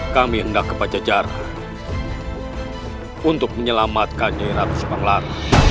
kami hendak ke pajajaran untuk menyelamatkannya ratu panglar